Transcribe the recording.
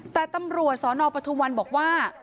แต่ตำรวจสนปทุมวันบอกว่า